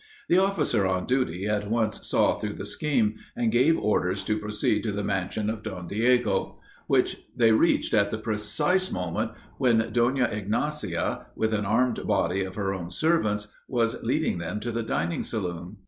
The officer on duty at once saw through the scheme, and gave orders to proceed to the mansion of Don Diego, which they reached at the precise moment when Donna Ignazia, with an armed body of her own servants, was leading them to the dining saloon.